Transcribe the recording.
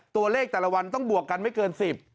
แต่ละวันต้องบวกกันไม่เกิน๑๐